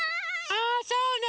あそうね。